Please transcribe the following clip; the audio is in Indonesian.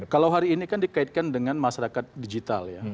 kalau hari ini kan dikaitkan dengan masyarakat digital ya